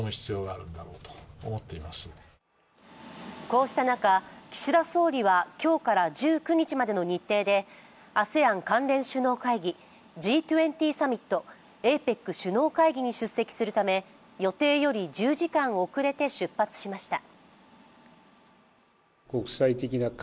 こうした中、岸田総理は今日から１９日までの日程でＡＳＥＡＮ関連首脳会議、Ｇ２０サミット、ＡＰＥＣ首脳会議に出席するため予定より１０時間遅れて出発しました。